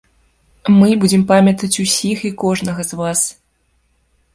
Мы будзем памятаць усіх і кожнага з вас.